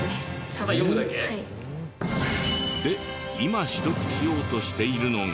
ただ読むだけ？で今取得しようとしているのが。